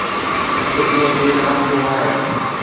هڪ ڏينهن جي راند جو ماهر